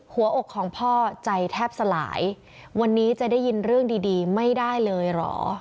หัวอกของพ่อใจแทบสลายวันนี้จะได้ยินเรื่องดีดีไม่ได้เลยเหรอ